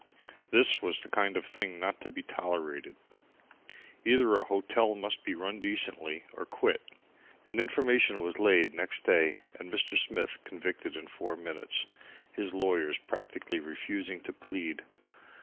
This was the kind of thing not to be tolerated. Either a hotel must be run decently or quit. An information was laid next day and Mr. Smith convicted in four minutes, his lawyers practically refusing to plead.